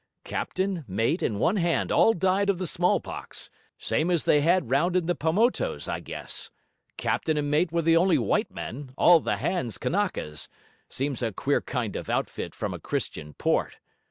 Captain, mate, and one hand all died of the smallpox, same as they had round in the Paumotus, I guess. Captain and mate were the only white men; all the hands Kanakas; seems a queer kind of outfit from a Christian port.